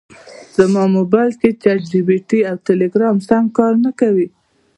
زما مبایل کې چټ جي پي ټي او ټیلیګرام سم کار نکوي